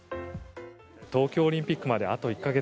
東京オリンピックまであと１か月。